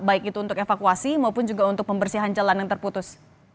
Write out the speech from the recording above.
baik itu untuk evakuasi maupun juga untuk pembersihan jalan yang terputus